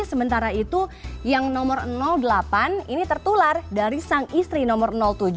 sementara itu yang nomor delapan ini tertular dari sang istri nomor tujuh